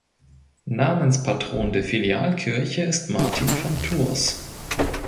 Namenspatron der Filialkirche ist Martin von Tours.